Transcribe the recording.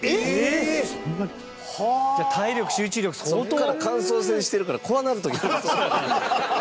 そこから感想戦してるから怖なる時あるんです。